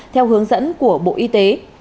theo hướng dẫn của bộ y tế